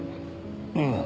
うん。